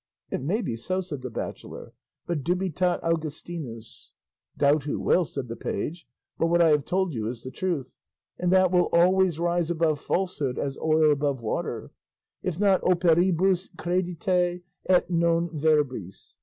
"It may be so," said the bachelor; "but dubitat Augustinus." "Doubt who will," said the page; "what I have told you is the truth, and that will always rise above falsehood as oil above water; if not operibus credite, et non verbis.